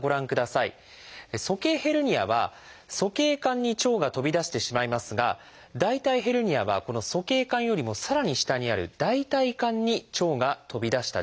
鼠径ヘルニアは鼠径管に腸が飛び出してしまいますが大腿ヘルニアはこの鼠径管よりもさらに下にある大腿管に腸が飛び出した状態です。